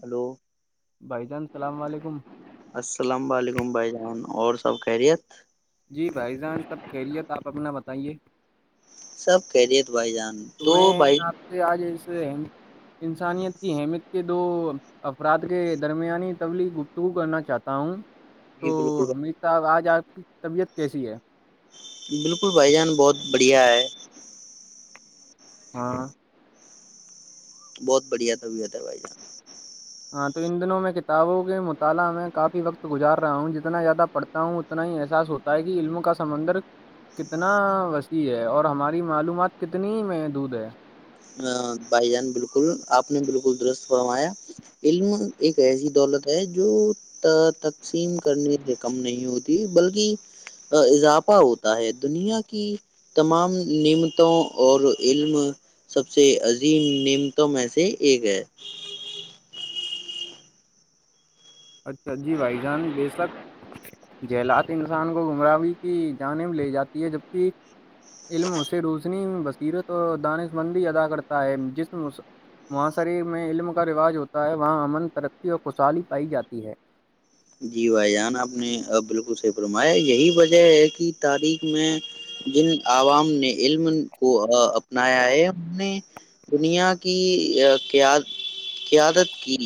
hello بھائی جان السلام علیکم السلام و علیکم بھائی جان [unintelligible] اور سب کہرییت جی بھائی جان سب خریے تو آپ اپنا بت تائیے [unintelligible] سب کہہ دییے تھ [unintelligible] بھائی جان تو بھائی آپ سے آج اس انسانیت کی اہمیت کے دو افراد کے درمیانی تبلیغ گفتگو کرنا چاہتا ہوں [unintelligible] جی تو بالکل ہمیشہب آج آپ کی [unintelligible] طبیعت کیسی ہے بالکل بھائی جان بہت بڑھیا ہے ہاں بہت بڑھیا طبیعت ہے بھائی جان [unintelligible] ہاں تو ان دنوں میں کتابوں کے مطالعہ میں کافی وقت گزار رہا ہوں جتنا زیادہ پڑھتا ہوں اتنا ہی احساس ہوتا ہے کہ علم کا سمندر کتنا وسیع ہے اور ہماری معلومات کتنی محدود ہے بھائی جان بالکل آپ نے بالکل درست فرمایا علم ایک ایسی دولت ہے جو تقسیم کرنے سے کم نہیں ہوتی بلکہ اضافہ ہوتا ہے دنیا کی تمام نعمتوں اور علم [unintelligible] سب سے عظیم نمتم سے ایک ہے [unintelligible] اچھا جی بھائی جان بے شک جہلات انسان کو گمراہی کی جانب لے جاتی ہے جبکہ علم اس سے روشنی بصیرت اور دانش مندی ادا کرتا ہے جس معحاصرے میں علم کا رواج ہوتا ہے وہاں امن ترقی اور خوشحالی پائی جاتی ہے [unintelligible] ہے [unintelligible] جی بھائی جان آپ نے بالکل صحی فرمایا یہی وجہ ہے کہ تاریخ میں جن عوام نے علم کو اپنایا ہے انہ نے دنیا کی ق قیادت کی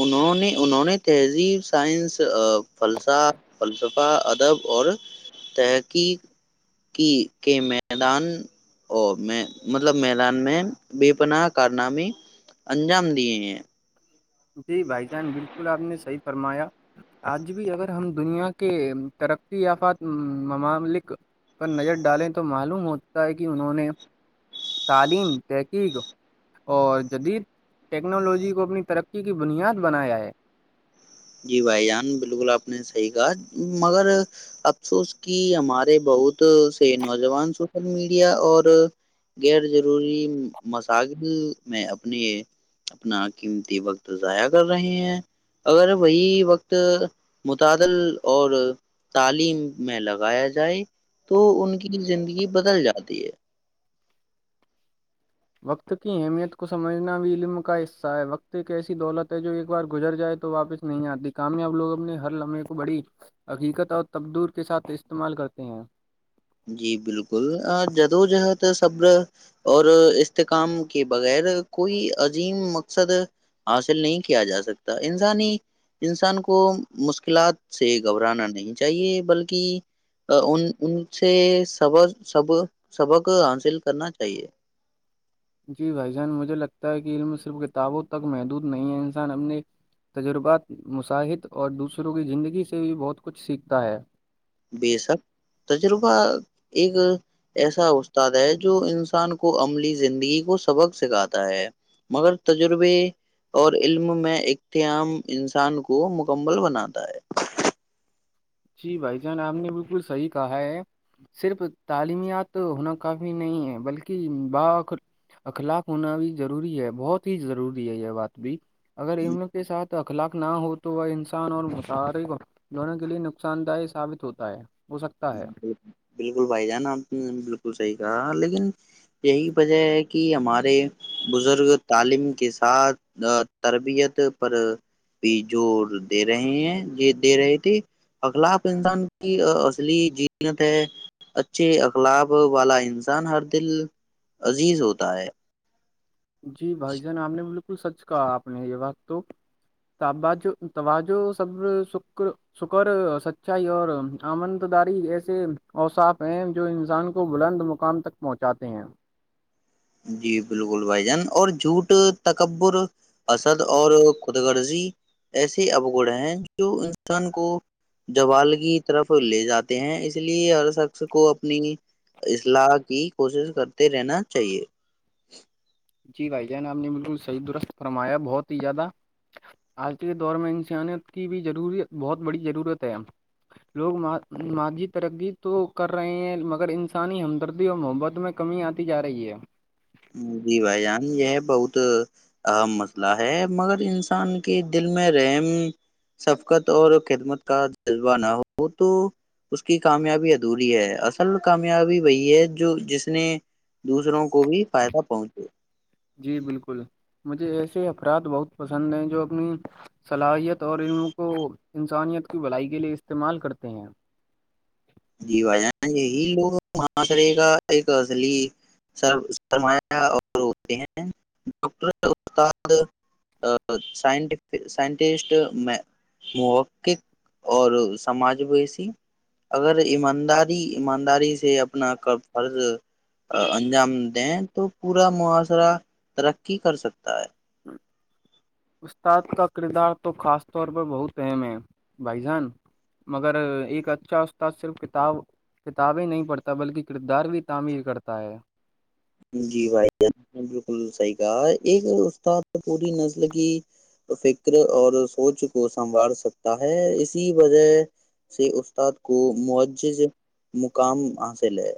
انہوں نے انہوں نے تہذیب [unintelligible] سائنس فلسہ فلسفہ ادب اور تحقیق کی کے میدان اور میں مطلب میدان میں بے پناہ کارنامے انجام دیے ہیں [unintelligible] جی بھائی جان بالکل آپ نے [unintelligible] حی فرمایا آج بھی اگر ہم دنیا کے ترقی یافت مماملک پر نظر ڈالیں تو معلوم ہوتا ہے کہ انہوں نے تعلیم تحقیق اور جدید ٹیکنالوجی کو اپنی ترقی کی بنیاد بنایا ہے جی بھائی جان بالکل آپ نے صحیح کہا مگر افسوس کی ہمارے بہت سے نوجوان سوشل میڈیا اور غیر جضروری مسال میں اپنے اپنا قیمتی وقت ضائع کر رہے ہیں اگر وہی وقت متعدل اور تعلیم میں لگایا جائے تو ان کی زندگی بدل جاتی ہے وقت کی اہمیت کو سمجھنا بھی علم کا حصہ ہے وقت ایک ایسی دولت ہے جو ایک بار گزر جائے تو واپس نہیں آتی کامیاب لوگ اپنے ہر لمحے کو بی حقیقت اور تبدور کے ساتھ استعمال کرتے ہیں جی بالکل جدو جہد صبر اور استحکام کے بغیر کوئی عظیم مقصد حاصل نہیں کیا جا سکتا انسانی انسان کو مشکلات سے گھبرانا نہیں چاہیے بلکہ ان سے سب سب سبق حاصل کرنا چاہیے جی بھائی جان مجھے لگتا ہے کہ علم صرف کتابوں تک محدود نہیں ہے انسان اپنے تجربات مصاحط اور دوسروں کی زندگی سے بھی بہت کچھ سیکھتا ہے بے شک تجربہ ایک ایسا استاد ہے جو انسان کو عملی زندگی کو سبق سکھاتا ہے مگر تجربے اور علم میں اختیاام انسان کو مکمل بناتا ہے جی بھائی جان آپ نے بالکل صحیح کہا ہے صرف تعلیمیات ہونا کافی نہیں ہے بلکہ ب اخلاق ہونا بھی ضروری ہے بہت ہی ضروری ہے یہ بات بھی اگر اموں کے ساتھ اخلاق نہ ہو تو وہ انسان اور متعرک دونوں کے لئے نکل نقصان دہ ثابت ہوتا ہے ہو سکتا ہے بالکل بھائی جان آپ بالکل صحی کہا لیکن یہی وجہ ہے کہ ہمارے بزرگ تعلیم کے ساتھ تربیت پر بھی زور دے رہے ہیں دے رہے تھے اخلاق انسان کی جینت ہے اچھے اخلاب والا انسان ہر دل عزیز ہوتا ہے جی بھائی جان آپ نے بو بالکل سچ کہا آپ نے یہ وقت توج توجہ صبر سکر سکر سچائی اور آمن داری ایسے اوصاف ہیں جو انسان کو بلند مقام تک پہنچاتے ہیں جی بالکل بھائی جان اور جھوٹ تکبر اسد اور خود غرضی ایسے ابگڑ ہیں جو انسان کو جوال کی طرف لے جاتے ہیں اس لیے ہر شخص کو اپنی اصلاح کی کوشش کرتے رہنا چاہیے ایک جی بھائی جان آپ نے بالکل صحیح درست فرمایا بہت ہی زیادہ آج کے دور میں انسانیت کی بھی ضروری بہت بڑی ضرورت ہے لوگ ماضی ترقی تو کر رہے ہیں مگر انسانی ہمدردی اور محبت میں کمی آتی جا رہی ہے جی بھائی جان یہ بہت اہم مسئلہ ہے مگر انسان کے دل میں رحم صفقت اور خدمت کا جذبہ نہ ہو تو اس کی کامیابی ادھوری ہے اصل کامیابی وہی ہے جو جس نے دوسروں کو بھی فائدہ پہنچے جی بالکل مجھے ایسے افراد بہت پسند ہیں جو اپنی صلاحیت اور ان کو انسانیت کی بھلائی کے لیے استعمال کرتے ہیں جی بھائی جان یہی لوگ معاشرے کا ایک اصلیر سرمایہ ہوتے ہیں ڈاکٹر استاد سائٹسٹ محقق اور سماج ویسی اگر ایمانداری ایمانداری سے اپنا فرض انجام دیں تو پورا معاشرہ ترقی کر سکتا ہے استاد کا کردار تو خاص طور پر بہت اہم ہے بھای جان مگر ایک اچھا استاد صرف کتاب کتابیں نہیں پ ھتا بلکہ کردار بھی تعمیر کرتا ہے جی بھائی نے بالکل صحیح کہا ایک استاد پوری نسل کی فکر اور سوچ کو سنوار سکتا ہے اسی وجہ سے استاد کو معجز مقام حاصل ہے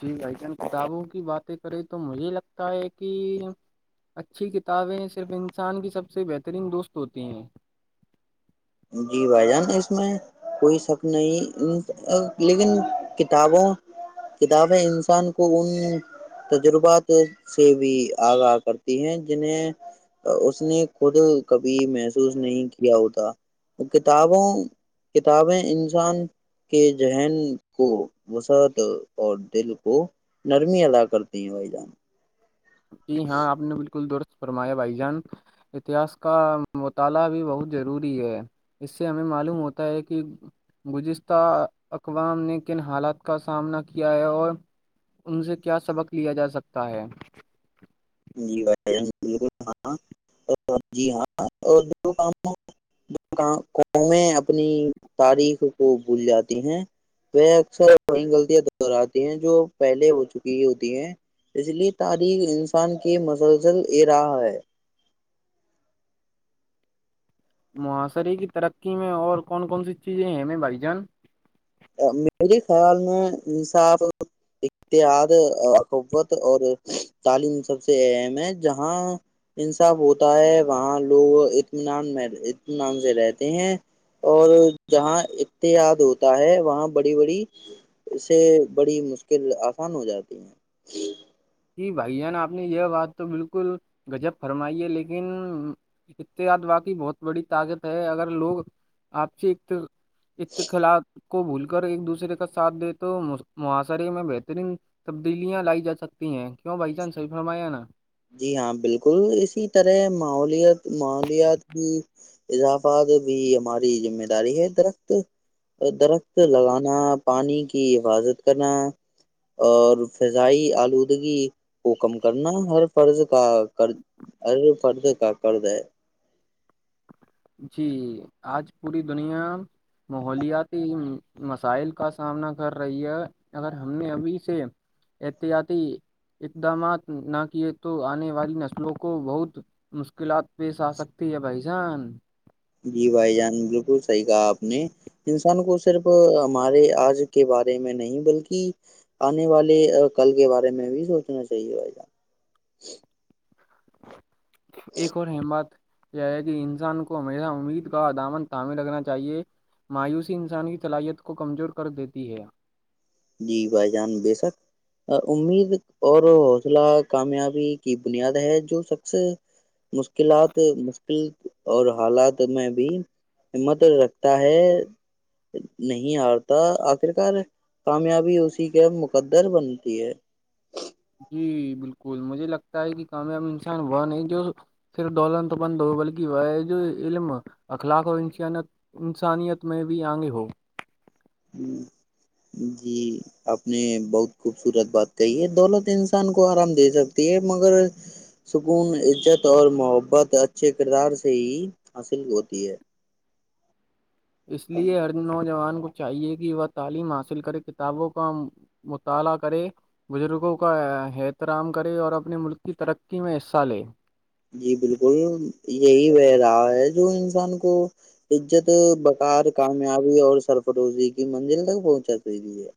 جی بھائی جان کتابوں کی باتیں کریں تو مجھے لگتا ہے کہ اچھی کتابیں صرف انسان کی سب سے بہترین دوست ہوتی ہیں جی بھائی جان اس میں کوئی شک نہیں لیکن کتابوں کتابیں انسان کو ان تجربات سے بھی آگاہ کرتی ہیں جنہیں اس نے خود کبھی محسوس نہیں کیا ہوتا کتابوں کتابیں انسان کے ذہن کو وسعت اور دل کو نرمی ادا کرتی ہیں بھائی جان جی ہاں آپ نے بالکل دست فرمایا بھائی جان اتہس کا مطالعہ بھی بہت ضروری ہے اس سے ہمیں معلوم ہوتا ہے کہ گذشتہ اقوام نے کن حالات کا سامنا کیا ہے اور ان سے کیا سبق لیا جا سکتا ہے جی بھائی جان بالکل ہاں جی ہاں اور جو کام قومیں اپنی تاریخ کو بھول جاتی ہیں وہ اکثرئی غلطیاں دہراتی ہیں جو پہلے ہو چکی ہوتی ہیں اس لیے تاریخ ان کی مسلزل یہ راہ ہے معحاشرے کی ترقی میں اور کون کون سی چیزیں ہیں میں بھائی جان میرے خیال میں انصاف اتحاد اقوت اور تعلیم سب سے اہم ہے جہاں انصاف ہوتا ہے وہاں لوگ اطمینان میں اطمینان سے رہتے ہیں اور جہاں اتحاد ہوتا ہے وہاں بڑی بڑی سے بڑی مشکل آسان ہو جاتی ہیں جی بھائی جان آپ نے یہ بات تو بالکل گغجب فرمائی ہے لیکن اتحاد واقعی بہت بڑی طاقت ہے اگر لوگ آپ سے اتخلاف کو بھول کر ایک دوسرے کا ساتھ دے تو محاصرے میں بہترین تبدیلیاں لائی جا سکتی تی ہیں کیوں بائی چانس صی فرمایا نا جی ہاں بالکل اسی طرح ماحولت ماحولیات کی اضافہ بھی ہماری ذمہ داری ہے درخت درخت لگانا پانی کی حفاظت کرنا اور فضائی آلودگی کو کم کرنا ہر پرڑض کا کر ار پرڑد کا کرڑد ہے جی آج پوری دنیا ماحولیاتی مسائل کا سامنا کر رہی ہے اگر ہم نے ابھی سے احتیاطی اقدامات نہ کیے تو آنے والی نسلوں کو بہت مشکلات پیش آ سکتی ہے بھائی جان جی بھائی جان بالکل صحیح کہا آپ نے انسان کو صرف ہمارے آج کے بارے میں نہیں بلکہ آنے والے کل کے بارے میں بھی سوچنا چاہیے بھائی جان ایک اور حماد یہ ہے کہ انسان کو ہمیشہ امید کا عدامن تعمیر رکھنا چاہیئے مایوسی انسان کی صلاحیت کو کمزور کر دیتی ہے جی بھائی جان بے شک امید اور حوصلہ کامیابی کی بنیاد ہے جو شخص مشکلات مشکل اور حالات میں بھی ہمت رکھتا ہے نہیں آتا آخرکار کامیابی اسی کے مقدر بنتی ہے جی بالکل مجھے لگتا ہے کہ کامیاب انسان وہ نہیں جو صرف دلہتت بند ہو بلکہ وہ ہے جو علم اخلاق اور انسانیت میں بھی آگے ہو جی آپ نے بہت خوبصورت بات کہی ہے دولت انسان کو آرام دے سکتی ہے مگر سکون عزت اور محبت اچھے کردار سے ہی حاصل ہوتی ہے اس لیے ہر نوجوان کو چاہیے کہ وہ تعلیم حاصل کرے کتابوں کا مطالعہ کرے بزرگوں کا احترام کرے اور اپنے ملک کی ترقی میں حصہ لے جی بالکل یہی وہ رہا ہے جو انسان کو عزت بکار کامیابی اور سرفروزی کی منزل تک پہنچا سی ہے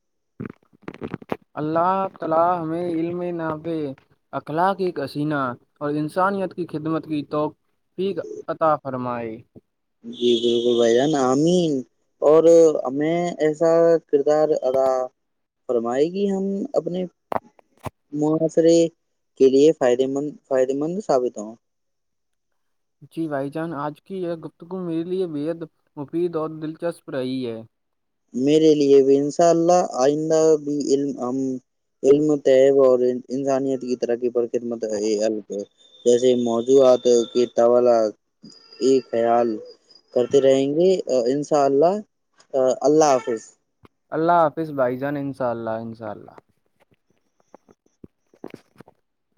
[inaudible] جی بالکل بھائی جان آمین اور ہمیں ایسا کردار ادا فرمائے گی ہم اپنے معحاشرے کے لیے فائدے مند فائدے مند ثابت ہوں جی بھائی جان آج ک کی ہے گپتگو میرے لیے بےحد مفید اور دلچسپ ری ہے میرے لیے بھی ان شاء اللہ آئندہ بھی ع ہم علم طیب اور انسانیت کی ترقی پر مہ ال جیسے موضوعات کی طال کی خیال کرتے رہیں گے اور ان شاء اللہ اللہ حافظ اللہ حافظ بھائی جان انشاء اللہ انشاء اللہ [inaudible]